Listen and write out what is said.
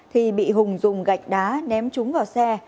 thì bị hùng dùng gạch đá ném trúng vào xe